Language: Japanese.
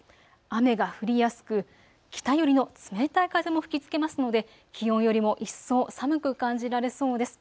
雨が降りやすく、北寄りの冷たい風も吹きつけますので気温よりも一層寒く感じられそうです。